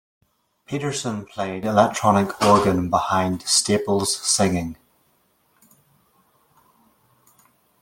Peterson played electronic organ behind Staples' singing.